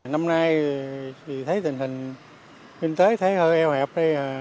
năm nay thì thấy tình hình kinh tế thấy hơi eo hẹp đây